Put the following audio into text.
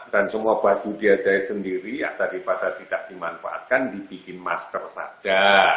dan semua baju dia jahit sendiri daripada tidak dimanfaatkan dibikin masker saja